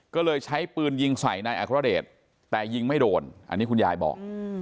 ก็เลยใช้ปืนยิงใส่นายอัครเดชแต่ยิงไม่โดนอันนี้คุณยายบอก